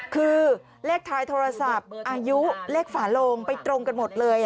คือเลขท้ายโทรศัพท์อายุเลขฝาโลงไปตรงกันหมดเลย